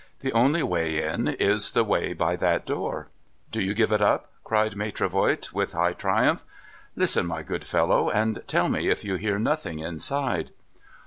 The only way in, is the way by that door. Do you give it up ?' cried Maitre Voigt, in high triumph. ' Listen, my good fellow, and tell me if you hear nothing inside